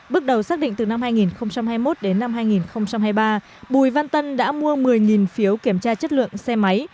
bước đầu xác định từ năm hai nghìn hai mươi một đến năm hai nghìn hai mươi ba bùi văn tân đã mua một mươi phiếu kiểm tra chất lượng xe máy